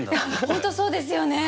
本当そうですよね。